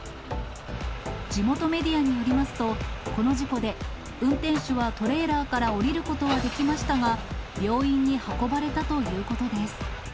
地元メディアによりますと、この事故で運転手はトレーラーから降りることはできましたが、病院に運ばれたということです。